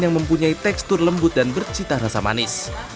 yang mempunyai tekstur lembut dan bercita rasa manis